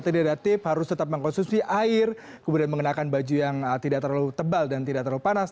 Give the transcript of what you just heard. tidak ada tip harus tetap mengkonsumsi air kemudian mengenakan baju yang tidak terlalu tebal dan tidak terlalu panas